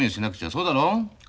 そうだろ？